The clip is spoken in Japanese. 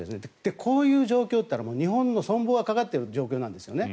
こういう状況というのは日本の存亡がかかっている状況なんですね。